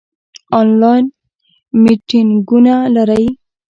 آنلاین میټینګونه لرئ؟